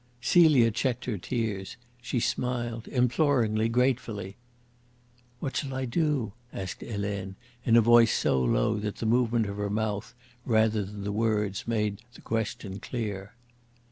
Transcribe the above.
Celia checked her tears. She smiled imploringly, gratefully. "What shall I do?" asked Helene, in a voice so low that the movement of her mouth rather than the words made the question clear.